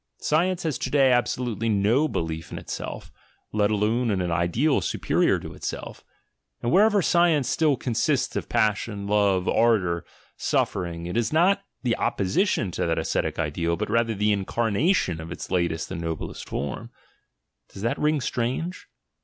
Science has to day abso lutely no belief in itself, let alone in an ideal superior to Itself, and wherever science still consists of passion, love, ardour, suffering it is not the opposition to that ascetic ideal, but rather the incarnation of its latest and noblest ASCETIC IDEALS 161 form. Does that ring strange?